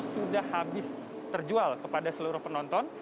sudah habis terjual kepada seluruh penonton